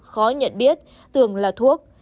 khó nhận biết tưởng là thuốc